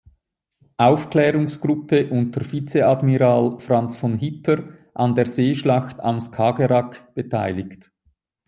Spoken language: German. Aufklärungsgruppe unter Vizeadmiral Franz von Hipper an der Seeschlacht am Skagerrak beteiligt.